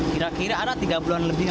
kira kira ada tiga bulan lebih